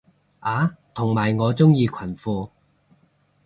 啊同埋我鍾意裙褲